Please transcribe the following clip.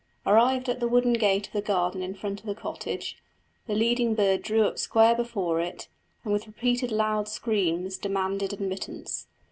Arrived at the wooden gate of the garden in front of the cottage, the leading bird drew up square before it, and with repeated loud screams demanded admittance.